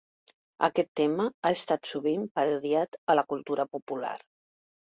Aquest tema ha estat sovint parodiat a la cultura popular.